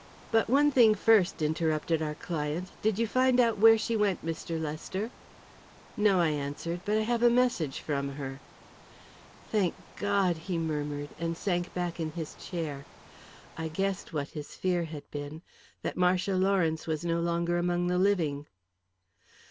"But one thing first," interrupted our client. "Did you find out where she went, Mr. Lester?" "No," I answered. "But I have a message from her." "Thank God!" he murmured, and sank back in his chair. I guessed what his fear had been that Marcia Lawrence was no longer among the living.